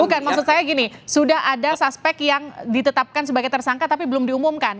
bukan maksud saya gini sudah ada suspek yang ditetapkan sebagai tersangka tapi belum diumumkan